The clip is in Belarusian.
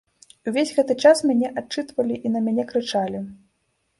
І ўвесь гэты час мяне адчытвалі і на мяне крычалі.